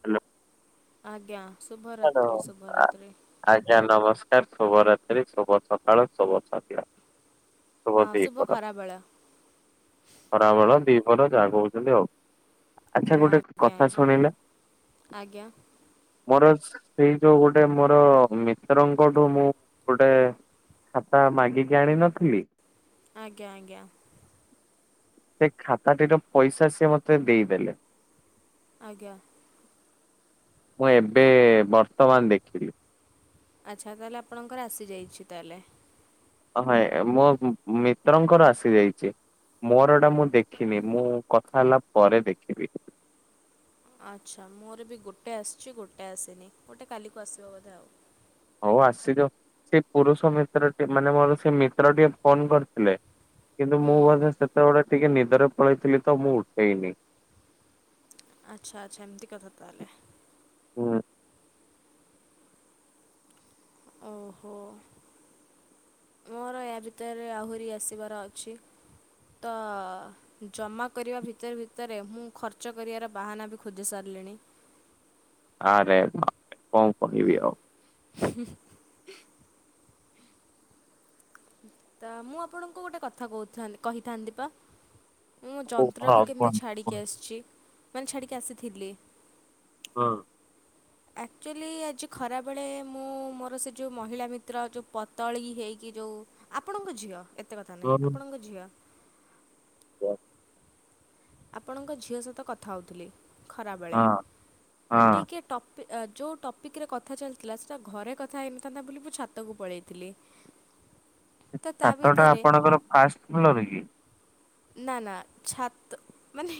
Hello. ଆଜ୍ଞା ଶୁଭ ରାତ୍ରି ଶୁଭ ଆ- ରାତ୍ରି। ଆଜ୍ଞା ନମସ୍କାର ଶୁଭରାତ୍ରି ଶୁଭ ସକାଳ ଶୁଭ ସଧ୍ୟା। ଶୁଭ ହଁ ଦିପହର ଖରାବେଳ ଖରାବେଳ ଦିପହର ଯାହା କହୁଛନ୍ତି ଆଉ। ହଁ ଆଛା ଗୋଟେ ଆଜ୍ଞା କଥା ଆଜ୍ଞା ଶୁଣିଲେ ଆଜ୍ଞା ମୋର ସେଇ ଯୋଉ ଗୋଟେ ମୋର ମିତ୍ରଙ୍କଠୁ ମୁଁ ଗୋଟେ ଖାତା ମାଗିକି ଆଣ ନଥିଲି? ଆଜ୍ଞା ଆଜ୍ଞା। ସେ ଖାତାଟିର ପଇସା ସେ ମତେ ଦେଇଦେଲେ। ଆଜ୍ଞା। ମୁଁ ଏବେ ବର୍ତ୍ତମାନ ଦେଖିଲି। ଆଚ୍ଛା ତାହେଲେ ଆପଣଙ୍କର ଆସିଯାଇଛି ତାହେଲେ? ହ ଏ ମୋ ମିତ୍ରଙ୍କର ଆସି ଯାଇଛି ମୋରଏଟା ମୁଁ ଦେଖିନି ମୁଁ କଥା ହେଲା ପରେ ଦେଖିବି। ଆଚ୍ଛା ମୋର ବି ଗୋଟେ ଆସିଛି ଗୋଟେ ଆସିନି ଗୋଟେ କାଲିକୁ ଆସିବ ବୋଧେ ଆଉ। ହଉ ଆସିଯ ସେ ପୁରୁଷ ମିତ୍ରଟି ମାନେ ମୋର ସେ ମିତ୍ରଟିିକେ ଫୋନ କରିଥିଲେ। କିନ୍ତୁ ହୁଁ ମୁଁ ମଧ୍ୟସେତେବେଳେ ଟିକେ ନିଦରେ ପଳେଇଥିଲି ତ ମୁଁ ଉଠେଇନି। ଆଚ୍ଛା ଆଚ୍ଛା ଏମିତି କଥା ତାହେଲେ। ହଁ। ଓହୋ [inaudible] ମୋର ୟା ଭିତରେ ଆହୁରି ଆସିବାର ଅଛି ତ ଜମା କରିବା ଭିତରେ ଭିତରେ ମୁଁ ଖର୍ଚ୍ଚ କରିବାର ବାହାନା ବି ଖୋଜି ସାରିଲିଣି। ଆଁରେ ବାଃରେ କଣ କହିବି ଆଉ। [unintelligible] ତ ମୁଁ ଆପଣଙ୍କୁ ଗୋଟେ କଥା କହୁ କହିଥାନ୍ତି ପା ମୁଁ ଯନ୍ତ୍ରାକୁ ହଁ କେମିତି କୁହନ୍ତୁ ଛାଡ଼ିକି କୁହନ୍ତୁ। ଆସିଛି ମାନେ ଛାଡ଼ିକି ଆସିଥିଲି। ହୁଁ। ଆକ୍ଚୁଆଲି ଆଜି ଖରାବେଳେ ମୁଁ ମୋର ସେ ଜିଉ ମହିଳା ମିତ୍ର ଯଉ ପତଳି ହେଇକି ଜୋଉ ଆପଣଙ୍କ ଝିଅ ଏତେ କଥା ନାହିଁ ହଁ ଆପଣଙ୍କ ଝିଅ। [inaudible] ଆପଣଙ୍କ ଝିଅ ସହିତ କଥା ହେଉଥିଲି ଖରାବେଳେ ହଁ ଟିକଏ ଟପ୍ ଯୋଉ ଟପିକ୍ ରେ କଥା ଚାଲିଥିଲା ସେଇଟା ଘରେ କଥା ହେଇନଥାନ୍ତା ବୋଲି ମୁଁ ଛାତକୁ ପଳାଇଥିଲି। ଚ୍ଚାତ ଟା ଆପଣଙ୍କର ଫାଷ୍ଟ ଫ୍ଲୋର ରେ କି? ନା ନା ଛାତ ମାନେ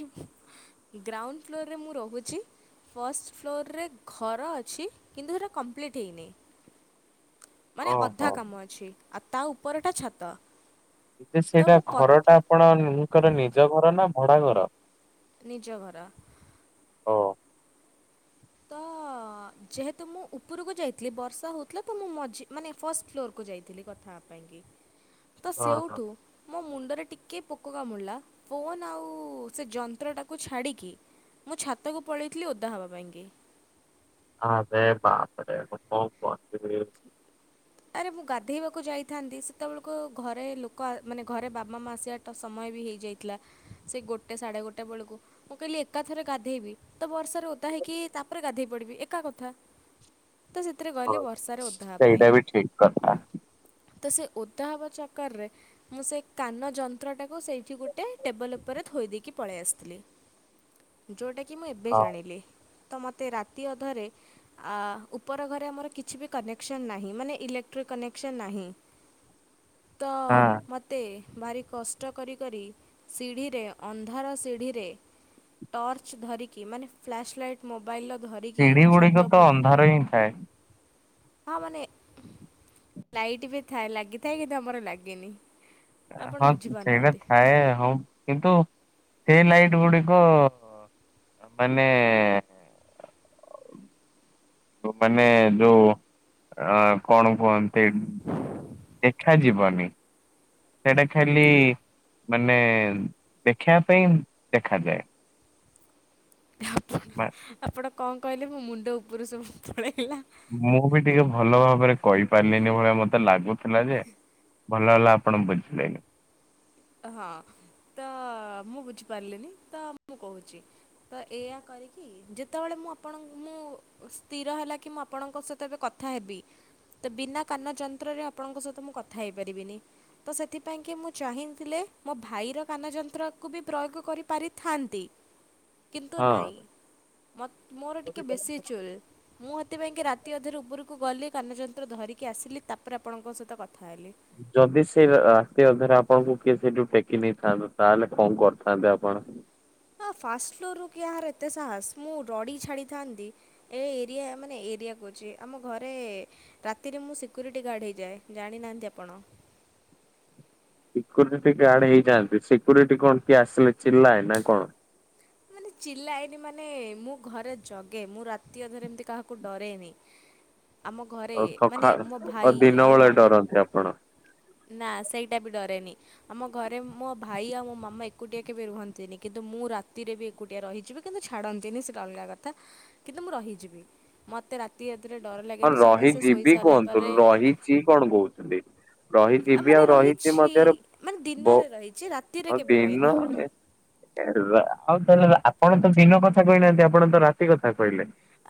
ଗ୍ରାଉଣ୍ଡ ଫ୍ଲୋରରେ ମୁଁ ରହୁଛି। ଫଷ୍ଟ ଫ୍ଲୋରରେ ଘର ଅଛି କିନ୍ତୁ ସେଇଟା କମ୍ପ୍ଲିଟ୍ ହେଇନି। [inaudible] ମାନେ ଅଧା ଓହୋ। କାମ ଅଛି ଆଉ ତା ଉପରଟା ଛାତ। ଯେ ତ ସେଇଟା ମୁଁ କ ଘର ଟା ଆପଣଙ୍କର ନିଜ ଘର ନା ଭଡା ଘର? ନିଜ ଘର। ହ, ଅ। ତ ଯେହେତୁ ମୁଁ ଉପରକୁ ଯାଇଥିଲି ବର୍ଷା ହଉଥିଲା ତ ମୁଁ ମଝି ମାନେ ଫର୍ଷ୍ଟ ଫ୍ଲୋରକୁ ଯାଇଥିଲି କଥା ହେବା ପାଇଁକି। [inaudible] ତ ହଁ ସେଉଠୁ ମୋ ମୁଣ୍ଡରେ ଟିକିଏ ପୋକ କାମୁଡ଼ିଲା ଫୋନ୍ ଆଉ ସେ ଯନ୍ତ୍ରଟାକୁ ଛାଡ଼ିକି ମୁଁ ଛାତକୁ ପଳାଇଥିଲି ଓଦା ହେବା ପାଇଁକି। ହଁ ସେ ବାପରେ ମୁଁ କ ପହଞ୍ଚି ଆରେ ମୁଁ ଗାଧେଇବାକୁ ଯାଇଥାନ୍ତି ସେତେବେଳକୁ ଘରେ ଲୋକ ମାନେ ଘରେ ବାବା ମା ଆସିବା ତ ସମୟ ବି ହେଇଯାଇଥିଲା ସେ ଗୋଟେ ସାଢ଼େ ଗୋଟେ ବେଳକୁ ମୁଁ କହିଲି ଏକା ଥରେ ଗାଧେଇବି ତ ବର୍ଷାରେ ଓଦା ହେଇକି ତାପରେ ଗାଧେଇ ପଡିବି ଏକା କଥା ତ ସେଥିରେ ହଁ, ଗଲି ବର୍ଷାରେ ଓଦା ହେବା ପାଇଁ ସେଇଟା ବି ଠିକ୍ କଥା ତ ସେ ଓଦା ହ ବଚା ଚକ୍ଟର୍ ରେ। ମୁଁ ସେ କାନ ଯନ୍ତ୍ରଟାକୁ ସେଇଠି ଗୋଟେ ଟେବଲ୍ ଉପରେ ଥୋଇ ଦେଇକି ପଳେଇ ଆସିଥିଲି। [inaudible] ଯୋଉଟା କି ମୁଁ ଏବେ ହଁ ଜାଣିଲି। ତ ମୋତେ ରାତି ଅଧରେ ଉପର ଘରେ ଆମର କିଛି ବି କନେକ୍ସନ୍ ନାହିଁ ମାନେ ଇଲେ କ୍ଟ୍ରି କନେକ୍ସନ୍ ନାହିଁ ତ ହଁ। ମତେ ଭାରି କଷ୍ଟ କରିିକରି ସିଢ଼ିରେ ଅନ୍ଧାର ସିଢ଼ିରେ ଟର୍ଚ ଧରିକି ମାନେ ଫ୍ଲାସ ଲାଇଟ୍ ମୋବାଇଲ ର ଧରିକି ସିଢି ଗୁଡିକ ଛାତ ତ ଉପ ଅନ୍ଧାର ହିଁ ଥାଏ ହଁ ମାନେ ଲାଇଟ୍ ବି ଥାଏ ଲାଗିଥାଏ କିନ୍ତୁ ଆମର ଲାଗିନି। ହଁ, ସେଇଟା ଥାଏ ହଁ କିନ୍ତୁ ସେଇ ଲାଇଟ୍ ଗୁଡିକ ମାନେ କଣ ମାନେ ଯୋଉ ଅ କଣ କୁହନ୍ତି [unintelligible] ଦେଖା ଯିବନି ସେଟା ଖାଲି ମାନେ ଦେଖିବା ପାଇଁ ଦେଖାଯାଏ। ଆପଣ ମା ଆପଣ କଣ କହିଲେ ମୋ ମୁଣ୍ଡ ଉପରୁ ସବୁ ପଳେଇଲା [unintelligible] ମୁଁ ବି ଟିକେ ଭଲ ଭାବରେ କହିପାରିଲିନି ଭଳିଆ ମତେ ଲାଗୁଥିଲା ଯେ ଭଲ ହେଲା ଆପଣ ବୁଝିପାଇଁଲେ। ହଁ ତ ମୁଁ ବୁଝିପାରିଲିନି ତ ମୁଁ କହୁଛି ତ ଏଇଆ କରିକି ଯେତେବେଳେ ମୁଁ ଆପଣ ମୁଁ ସ୍ଥିର ହେଲା କି ମୁଁ ଆପଣଙ୍କ ସହିତ ଏବେ କଥା ହେବି। ତ ବିନା କାନ ଯନ୍ତ୍ରରେ ଆପଣଙ୍କ ସହିତ ମୁଁ କଥା ହେଇପାରିବିନି ତ ସେଥିପାଇଁ କିି ମୁଁ ଚାହିଁ ଥିଲେ ମୋ ଭାଇର କାନ ଯନ୍ତ୍ରକୁ ବି ପ୍ରୟୋଗ କରିପାରିଥାନ୍ତି। କିନ୍ତୁ ହଁ ନାହିଁ ମ ମୋର ଟିକେ ବେଶୀ ଚୁଲ୍ ମୁଁ ହେତି ପାଇଁକି ରାତି ଅଧରେ ଉପରକୁ ଗଲି କାନଯନ୍ତ୍ର ଧରିକି ଆସିଲି ତାପରେ ଆପଣଙ୍କ ସହିତ କଥା ହେଲି। ଯଦି ସେ ରାତି ଅଧରେ ଆପଣଙ୍କୁ କିଏ ସେଇଠୁ ଟେକି ନେଇଥାନ୍ତେ ତାହେଲେ କଣ କରିଥାନ୍ତେ ଆପଣ? ହଁ ଫାଷ୍ଟ ଫ୍ଲୋର ରୁ କାହାର ଏତେ ସାହସ ମୁଁ ରଡି ଛାଡିଥାନ୍ତି। ଏ ଏରିଆ ମାନେ ଏରିଆ କହୁଛି ଆମ ଘରେ ରାତିରେ ମୁଁ ସିକ୍ୟୁରିଟି ଗାର୍ଡ ହେଇଯାଏ ଜାଣିନାହାନ୍ତି। ଆପଣ? ସିକ୍ୟୁରିଟି ଗାର୍ଡ ହେଇଯାଆନ୍ତି ସିକ୍ୟରିଟି କଣ କିଏ ଆସିଲେ ଚିଲ୍ଲାଏ ନା କଣ? ମାନେ ଚିଲାଇନି ମାନେ ମୁଁ ଘରେ ଜଗେ ମୁଁ ରାତି ଅଧରେ ଏମିତି କାହାକୁ ଡରେନି। ଆମ ଘରେ ଆଉ ମାନେ ସକାଳ ମୋ ଆଉ ଭାଇ ଦିନ ବେଳେ ମାମା ଡରନ୍ତି ଆପଣ? ନା ସେଇଟା ବି ଡରେନି। ଆମ ଘରେ ମୋ ଭାଇ ଆଉ ମୋ ମାମା ଏକୁଟିଆ କେବେ ରୁହନ୍ତିନି କିନ୍ତୁ ମୁଁ ରାତିରେ ବି ଏକୁଟିଏ ରହିଯିବି କିନ୍ତୁ ଛାଡ଼ନ୍ତିନି ସେଟା ଅଲଗା କଥା କିନ୍ତୁ ମୁଁ ରହିଯିବି। ମୋତେ ରାତି ଏଥିରେ ଡର ଲାଗେନି ସମସ୍ତେ ଶୋଇ ସାରିଲା ପରେ ଚି କଣ କହୁଛନ୍ତି? ଆ, ରହିଜିବି ମାନେ ଆଉ ରହିଛି ମଧ୍ୟରେ ମାନେ ବଉ ଦିନରେ ରହିଛି ରାତିରେ କେବେ ରହିନି ଦିନ ମାନେ ଆଉ ତାହେଲେ ଆପଣ ତ ଦିନ କଥା କହିନାହାନ୍ତି ଆପଣ ତ ରାତି କଥା କହିଲେ?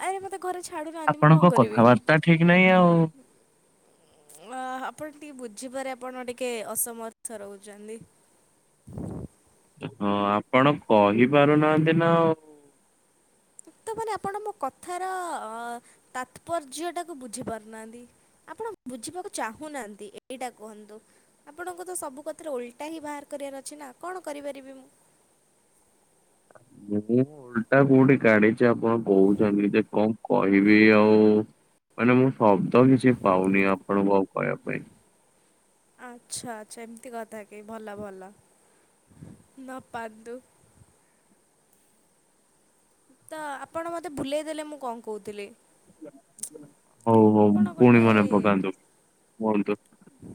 ଆରେ ମତେ ଘରେ ଛାଡି ନାହାନ୍ତି ମୁ ଆପଣଙ୍କ କଣ କରି କଥାବାର୍ତ୍ତା ଠିକ ନାହିଁ ଆଉ। ଅ ଆପଣ ଟିକେ ବୁଝିବାରେ ଆପଣ ଟିକେ ଅସମର୍ଥ ରହୁଛନ୍ତି। ହଁ ଆପଣ କହିପାରୁନାହାନ୍ତି ନା ଆଉ। ତ ମାନେ ଆପଣ ମୋ କଥାର ଅ ତାତ୍ପର୍ଯ୍ୟଟାକୁ ବୁଝି ପାରୁନାହାନ୍ତି? ଆପଣ ବୁଝିବାକୁ ଚାହୁଁନାହାନ୍ତି ଏଇଟା କୁହନ୍ତୁ। ଆପଣଙ୍କୁତ ସବୁ କଥାରେ ଓଲଟା ହିଁ ବାହାର କରିବାର ଅଛି ନା କଣ କରିପାରିବି ମୁଁ। ଉ ହୁଁ। ଓଲଟା କୋଉଠି ଗାଢିଛି ଆପଣ କହୁଛନ୍ତି ଯେ କଣ କହିବି ଆଉ। ମାନେ ମୁଁ ଶବ୍ଦ କିଛି ପାଉନି ଆପଣଙ୍କୁ ଆଉ କହିବା ପାଇଁ। ଆଚ୍ଛା ଆଚ୍ଛା ଏମିତି କଥା କି ଭଲ ଭଲ ନ ପାଆନ୍ତୁ। ତ ଆପଣ ମତେ ଭୁଲେଇ ଦେଲେ ମୁଁ କଣ କହୁଥିଲି। ହଉ ହଉ ଆପଣ ପୁଣି ମନେ ଗୋଟେ ପକାନ୍ତୁ। କୁହନ୍ତୁ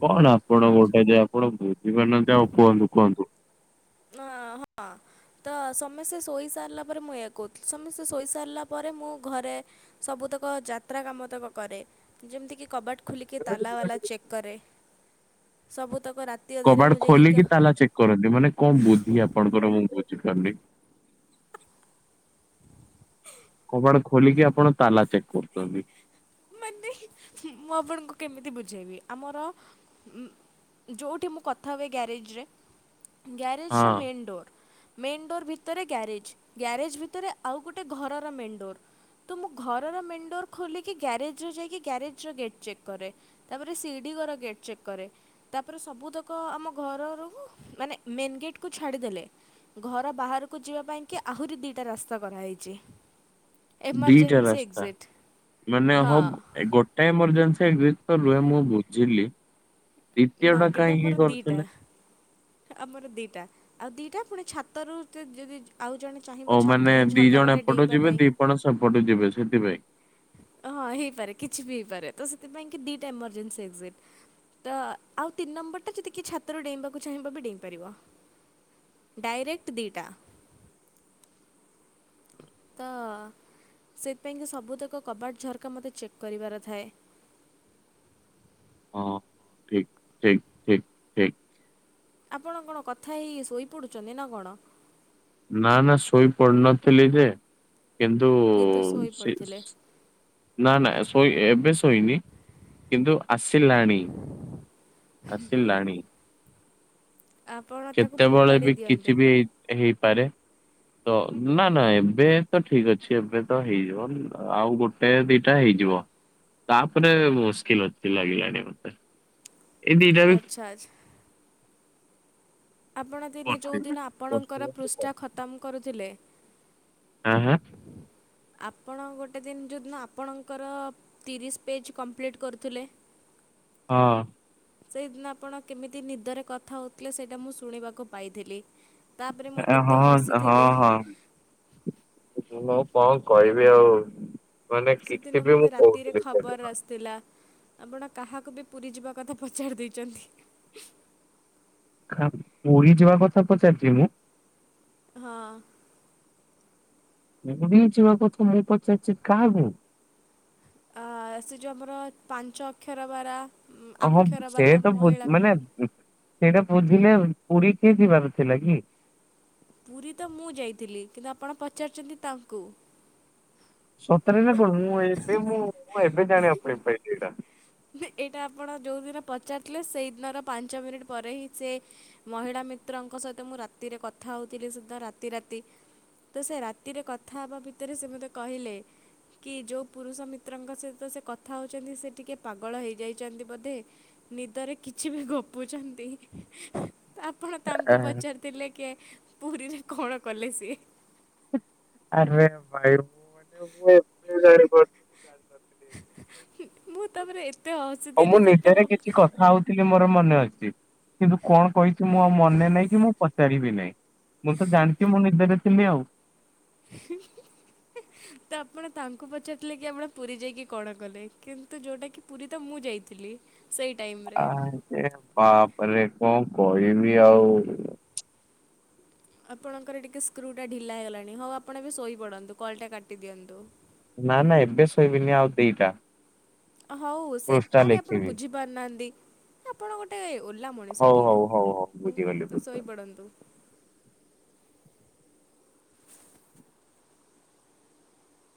କଣ ଆପଣ ଗୋଟେ ଯ ଆପଣ ବୁଝିପାରୁନାହାନ୍ତି ଆଉ କୁହନ୍ତୁ କୁହନ୍ତୁ? ନା ହଁ। ତ ସମସ୍ତେ ଶୋଇ ସାରିଲା ପରେ ମୁଁ ଏୟା କହୁଥିଲି ସମସ୍ତେ ଶୋଇ ସାରିଲା ପରେ ମୁଁ ଘରେ ସବୁତକ ଯାତ୍ରା କାମତକ କରେ ଯେମିତିକି କବାଟ ଖୋଲିକି ତାଲା ବାଲା ଚେକ୍ କରେ ସବୁତକ ରା କବାଡ ଖୋଲିକି ତାଲା ଚେକ୍ କରନ୍ତି ମାନେ କଣ ବୁଦ୍ଧି ଆପଣଙ୍କର ମୁଁ ବୁଝିପାରୁନି। କବାଡ ଖୋଲିକି ଆପଣ ତାଲା ଚେକ୍ କରୁଚନ୍ତି। ମାନେ ମୁଁ ଆପଣଙ୍କୁ କେମିତି ବୁଝେଇବି ଆମର ଯେଉଁଠି ମୁଁ କଥା ହୁଏ ଗ୍ୟାରେଜରେ ହଁ ଗ୍ୟାରେଜଟା ମେନ୍ ଡୋର୍ ମେନ୍ ଡୋର୍ ଭିତରେ ଗ୍ୟାରେଜ୍, ଗ୍ୟାରେଜ ଭିତରେ ଆଉ ଗୋଟେ ଘରର ମେନ୍ ଡୋର୍। ତୁ ମୁଁ ଘରର ମେନ୍ ଡୋର ଖୋଲିକି ଗ୍ୟାରେଜ ଜୁ ଯାଇକି ଗ୍ୟାରେଜ ର ଗେଟ୍ ଚେକ୍ କରେ, ତାପରେ ସିଡ଼ି ଘର ଗେଟ୍ ଚେକ୍ କରେ। ତାପରେ ସବୁ ତକ ଆମ ଘରରୁ ମାନେ ମେନ୍ ଗେଟ୍ କୁ ଛାଡ଼ିଦେଲେ। ଘର ବାହାରକୁ ଯିବା ପାଇଁ କି ଆହୁରି ଦିଇଟା ରାସ୍ତା କରାହେଇଛି। ଦିଟା ଏମର୍ଜେନ୍ସୀ ରାସ୍ତା। ଏକଜିଷ୍ଟ। ମାନେ ହଉ ଗୋଟେ ଏମର୍ଜେନ୍ସୀ ଏକଜିଷ୍ଟ ତ ରୁହେ ମୁଁ ବୁଝିଲି। ଦ୍ୱିତୀୟ ନା ଟା କିନ୍ତୁ କାଇଁ ଆମର ଙ୍କି ଦୁଇଟା କରିଥିଲେ। ଆମର ଦିଟା, ଆଉ ଦିଟା ପୁଣି ଛାତରୁ [unintelligible] ଯଦି ଆଉ ଜଣେ ଚାହିଁବ ଛାତରୁ ଝରକାପଟେ ଡେଇଁବା ପାଇଁ, ଆପଣ ସେପଟେ ଯିବେ ସେଥିପାଇଁ। ହଁ ହେଇପାରେ କିଛି ବି ହେଇପାରେ ତ ସେଥିପାଇଁ କି ଦିଟା ଏମର୍ଜେନ୍ସୀ ଏକଜିଷ୍ଟ। ତ ଆଉ ତିନି ନମ୍ବର ଟା ଯଦି କିଏ ଛାତରୁ ଡେଇବାକୁ ଚାହିଁବ ବି ଡେଇଁପାରିବ। ଡାଇରେକ୍ଟ ଦିଇଟା। ତ ସେଥିପାଇଁକି ସବୁତକ କବାଟ ଝରକା ମୋତେ ଚେକ୍ କରିବାର ଥାଏ। ହଁ ଠିକ୍ ଠିକ୍। ଆପଣ କଣ କଥା ହେଇ ଶୋଇପଡ଼ୁଛନ୍ତି। ନାଁ ନାଁ ଶୋଇ ପଡୁନଥିଲି ଯେ କିନ୍ତୁ ସେ ନାଁ ନାଁ ଶୋଇ ଏବେ ଶୋଇନି କିନ୍ତୁ ଆସିଲାଣି। ଆସିଲାଣି। ଆପଣ ତାକୁ କେତେବେଳେ ଫୋପାଡ଼ି ବି ଦିଅନ୍ତୁ କିଛି ବି ହେଇ ହେଇପାରେ। ତ ନାଁ ନାଁ ଏବେ ତ ଠିକ ଅଛି ଏବେ ତ ହେଇଯିବ, ଆଉ ଗୋଟେ ଏ ଦିଟା ହେଇଯିବ, ତାପରେ ମୁସ୍କିଲ ଅଛି ଲାଗିଲାଣି ମତେ। ଏଇ ଦିଟା ବି ଆଚ୍ଛା ଆଚ୍ଛା। ଆପଣ ଦିନେ କରିଦେବି। ଯୋଉଦିନ କଷ୍ଟ ଆପଣଙ୍କର କଷ୍ଟ ପୃଷ୍ଠା କରି। ଖତମ କରୁଥିଲେ। ଆ ହାଁ। ଆପଣ ଗୋଟେ ଦିନ ଯଉଁଦିନ ଆପଣଙ୍କର ତିରିଶ ପେଜ୍ କମ୍ପ୍ଲିଟ୍ କରୁଥିଲେ। ହଁ। ସେଇଦିନ ଆପଣ କେମିତି ନିଦରେ କଥା ହେଉଥିଲେ, ସେଇଟା ମୁଁ ଶୁଣିବାକୁ ପାଇଥିଲି। ତାପରେ ମୁଁ ଏ ଏତେ ହଁ ହଁ ହସିଥିଲି। ହଁ। ମୁଁ କଣ କହିବି ଆଉ ମାନେ କିଛି ବି ମୁଁ କହୁଥିଲି ଦରେ ଥାର ଆସିଥିଲା। ଆପଣ କାହାକୁ ବି ପୁରୀ ଯିବା କଥା ପଚାରି ଦେଇଛନ୍ତି। କାହାଁ ପୁରୀ ଯିବା କଥା ପଚାରିଛିି ମୁଁ। ହଁ। ମୁଁ ବି ଯିବା କଥା ମୁଁ ପଚାରିଛି କାହାକୁ। ଆ ସେ ଯେଉଁ ଆମର ପାଞ୍ଚ ଅକ୍ଷର ବାରା, ଓହଁ ସେଇଆ ତ କହୁଛି ମାନେ, ସେଇଟା ବୁଝିଲେ ପୁରୀ କିଏ ଯିବାର ଥିଲା କି? ପୁରୀ ତ ମୁଁ ଯାଇଥିଲି, କିନ୍ତୁ ଆପଣ ପଚାରିଛନ୍ତି ତାଙ୍କୁ। ସତରେ ନା କଣ, ମୁଁ ଏବେ ମୁଁ ମୁଁ ଏବେ ଜାଣିବାକୁ ପାଇ ପାଇଲି ଏଇଟା। ଏଇଟା ଆପଣ ଯୋଉଦିନ ପଚାରିଥିଲେ ସେଇଦିନର ପାଞ୍ଚ ମିନିଟ୍ ପରେ ହିଁ ସେ ମହିଳା ମିତ୍ରଙ୍କ ସହିତ ମୁଁ ରାତିରେ କଥା ହେଉଥିଲି ସେଦିନ ରାତି ରାତି। ତ ସେ ରାତିରେ କଥା ହେବା ଭିତରେ ସେ ମତେ କହିଲେ, କି ଯୋଉ ପୁରୁଷ ମିତ୍ରଙ୍କ ସହିତ ସେ କଥା ହଉଛନ୍ତି ସେ ଟିକେ ପାଗ ସଫଳ ହେଇଯାଇଚନ୍ତି ବଧେ, ନିଦରେ କିଛି ବି ଗପୁଚନ୍ତି। ଆପଣ ଆ ତାଙ୍କୁ ପଚାରିଥିଲେ କେ ପୁରୀରେ କଣ କଲେ ସିଏ। [unintelligible] ଜାଣିନଥିଲି। ମୁଁ ତାପରେ ଏତେ ଆଉ ମୁଁ ହସିଥିଲି ସେତ ନିଜରେ ମୁଁ କିଛି କଥା। ଖାଉଥିଲି ମୋର ମନେ ଅଛି, କିନ୍ତୁ କଣ କହିଚି ମୁଁ ଆଉ ମନେ ନାହିଁ କି ମୁଁ। ପାରିବି ନାହିଁ, ମୁଁ ତ ଜାଣିଚି ମୁଁ ନିଦରେ ଥିଲି ଆଉ। [unintelligible] ତ ଆପଣ ତାଙ୍କୁ ପଚାରିଥିଲେ କି ଆପଣ ପୁରୀ ଯାଇକି କଣ କଲେ? କିନ୍ତୁ ଯୋଉଟାକି ପୁରୀ ତ ମୁଁ ଯାଇଥିଲି। ସେଇ ଟାଇମ୍। ଆରେ ବାପରେ କଣ କହିବି ଆଉ। ଆପଣଙ୍କର ଟିକେ ସ୍କ୍ରୁ ଟା ଢିଲା ହେଇଲାଣି। ହଉ ଆପଣ ଏବେ ଶୋଇପଡ଼ନ୍ତୁ କଲଟା କାଟିଦିଅନ୍ତୁ। ନା ନା ଏବେ ଶୋଇବିନି ଆଉ ଦିଟା। ହଉ ସେ, ପୃଷ୍ଠା ଆରେ ଆପଣ ଲେଖିବି ବୁଝି ପାରୁନାହାନ୍ତି ଆପଣ ଗୋଟେ ଓଲାମ। ଣିଷ ହଉ ଟିଏ, ହଉ ହଉ ହଉ ହୁଁ ବୁଝିଗଲି ତ ବୁଝିଗଲି। ଶୋଇପଡନ୍ତୁ।